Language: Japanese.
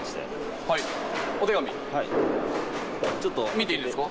見ていいですか？